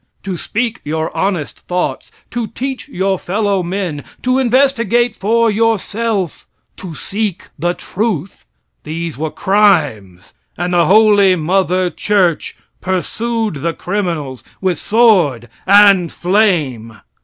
To speak your honest thoughts, to teach your fellow men, to investigate for yourself, to seek the truth, these were crimes, and the "Holy Mother Church" pursued the criminals with sword and flame.